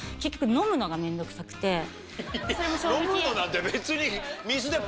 飲むのなんて別に。